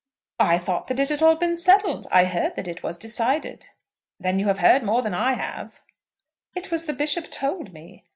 "I thought that it had been all settled. I heard that it was decided." "Then you have heard more than I have." "It was the Bishop told me."